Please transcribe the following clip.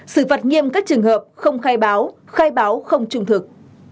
sử phạt nghiêm các trường hợp không khai báo khai báo không trung thực